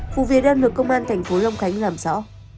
phụ viên đơn lực công an thành phố long khánh làm rõ